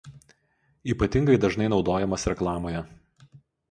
Ypatingai dažnai naudojamas reklamoje.